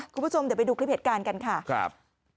คุณผู้ชมเดี๋ยวไปดูคลิปเหตุการณ์กันค่ะครับ